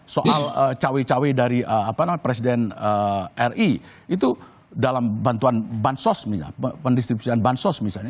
soal cawe cawe dari presiden ri itu dalam bantuan bansos misalnya pendistribusian bansos misalnya